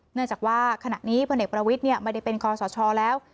เนื่องจากว่าขณะนี้พลเอกประวิทย์ไม่ได้เป็นคอสชแล้ว